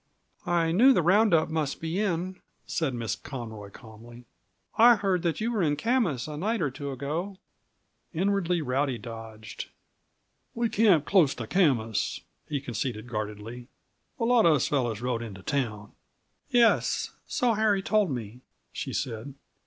"I knew the round up must be in," said Miss Conroy calmly. "I heard that you were in Camas a night or two ago." Inwardly, Rowdy dodged. "We camped close to Camas," he conceded guardedly. "A lot of us fellows rode into town." "Yes, so Harry told me," she said.